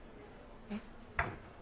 えっ？